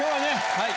はい。